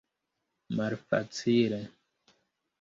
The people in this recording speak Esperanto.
Malfacile!